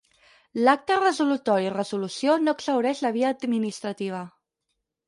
L'acte resolutori resolució no exhaureix la via administrativa.